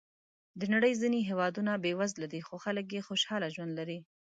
د نړۍ ځینې هېوادونه بېوزله دي، خو خلک یې خوشحاله ژوند لري.